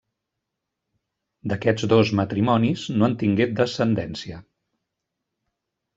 D'aquests dos matrimonis no en tingué descendència.